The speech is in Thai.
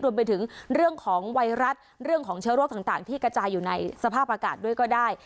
รวมไปถึงเรื่องของไวรัสเรื่องของเชื้อโรคต่างที่กระจายอยู่ในสภาพอากาศด้วยก็ได้